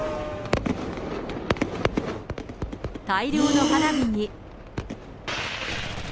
大量の花火に。